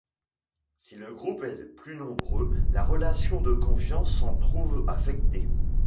Si le groupe est plus nombreux, la relation de confiance s'en trouve affectée.